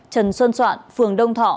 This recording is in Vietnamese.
trần xuân soạn phường đông thọ